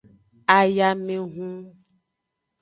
Ayamehun.